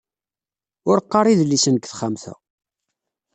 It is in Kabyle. Ur qqar idlisen deg texxamt-a.